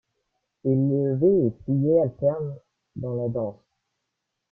Élevés et pliés alternent dans la danse.